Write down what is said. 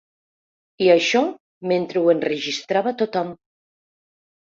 I això mentre ho enregistrava tothom.